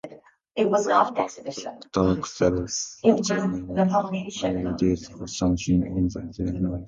Rare's "Perfect Dark Zero" features many ads for Samsung in their menus.